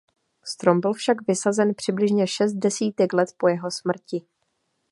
Strom byl však vysazen přibližně šest desítek let po jeho smrti.